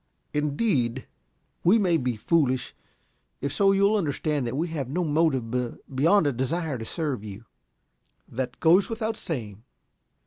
"Indeed?" "We may be foolish. If so, you will understand that we have no motive beyond a desire to serve you." "That goes without saying."